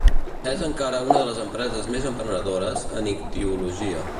És encara una de les empreses més emprenedores en ictiologia.